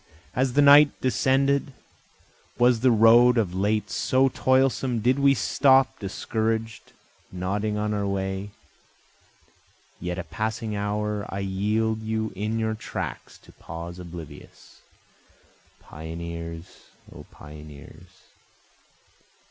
Has the night descended? Was the road of late so toilsome? did we stop discouraged nodding on our way? Yet a passing hour I yield you in your tracks to pause oblivious, Pioneers! O pioneers!